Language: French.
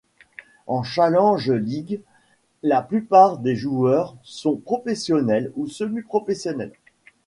En Challenge League, la plupart des joueurs sont professionnels ou semi-professionnels.